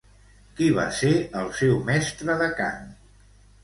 Qui va ser el seu mestre de cant?